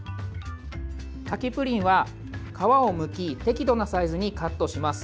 柿プリンは皮をむき適度なサイズにカットします。